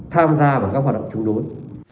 tham gia vào các hoạt động chống đối